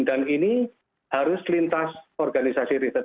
ini harus lintas organisasi riset